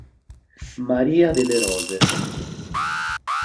Maria delle rose”.